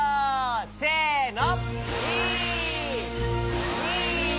せの！